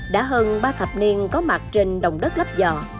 đã hơn ba thập niên có mặt trên đồng đất lắp giò